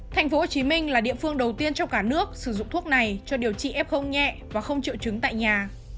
tp hcm là địa phương đầu tiên trong cả nước sử dụng thuốc này cho điều trị f nhẹ và không triệu chứng tại nhà